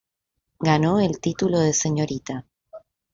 Ganó el título de Srta.